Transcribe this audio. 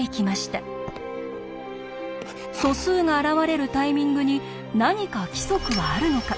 素数が現れるタイミングに何か規則はあるのか？